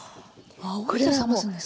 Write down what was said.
あっあおいで冷ますんですか。